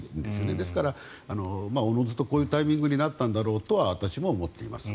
ですから、おのずとこういうタイミングになったんだろうとは私も思っています。